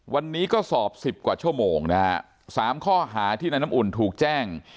วันนี้ก็สอบ๑๐กว่าชั่วโมงนะฮะสามข้อหาที่นายน้ำอุ่นถูกแจ้ง